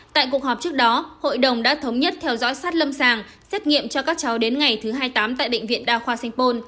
tại cuộc họp trước đó hội đồng đã thống nhất theo dõi sát lâm sàng xét nghiệm cho các cháu đến ngày thứ hai mươi tám tại bệnh viện đa khoa sanh pôn